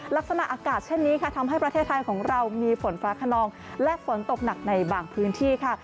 ลักษณะอากาศเช่นนี้ค่ะทำให้ประเทศไทยของเรามีฝนฟ้าขนองและฝนตกหนักในบางพื้นที่ค่ะ